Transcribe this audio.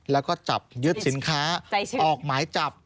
แล้วก็จับยึดสินค้าออกหมายจับ